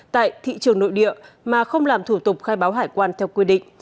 tại thị trường nội địa mà không làm thủ tục khai báo hải quan theo quy định